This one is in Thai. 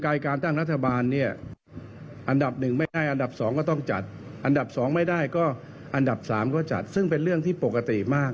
การตั้งรัฐบาลเนี่ยอันดับหนึ่งไม่ได้อันดับ๒ก็ต้องจัดอันดับ๒ไม่ได้ก็อันดับ๓ก็จัดซึ่งเป็นเรื่องที่ปกติมาก